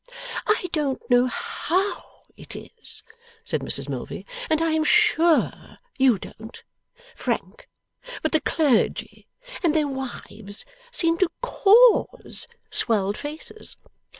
'I don't know HOW it is,' said Mrs Milvey, 'and I am SURE you don't, Frank, but the clergy and their wives seem to CAUSE swelled faces.